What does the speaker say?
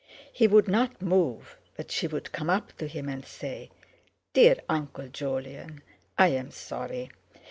He would not move, but she would come up to him and say: "Dear Uncle Jolyon, I am sorry!"